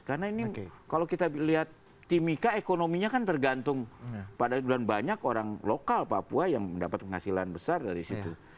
karena ini kalau kita lihat timika ekonominya kan tergantung pada bulan banyak orang lokal papua yang mendapat penghasilan besar dari situ